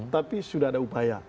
tapi sudah ada upaya